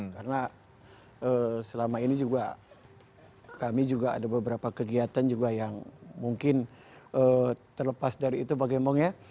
karena selama ini juga kami juga ada beberapa kegiatan juga yang mungkin terlepas dari itu bagaimana